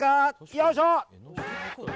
よいしょ！